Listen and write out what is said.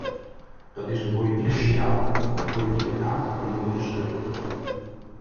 Dat is een politiek signaal, een politieke daad die we moeten steunen.